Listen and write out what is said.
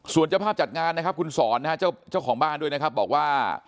ส่วนเจ้าภาพจัดงานนะครับคุณสอนนะฮะเจ้าของบ้านด้วยนะครับบอกว่า